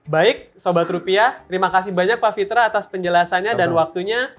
baik sobat rupiah terima kasih banyak pak fitra atas penjelasannya dan waktunya